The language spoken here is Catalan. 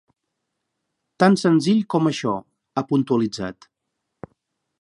“Tan senzill com això”, ha puntualitzat.